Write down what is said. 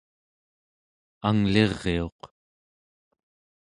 angliriuq